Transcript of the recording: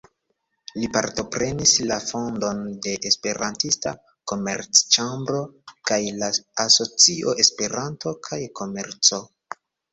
Li partoprenis la fondon de "Esperantista Komerc-ĉambro" kaj de la asocio "Esperanto kaj komerco".